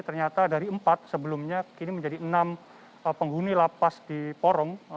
ternyata dari empat sebelumnya kini menjadi enam penghuni lapas di porong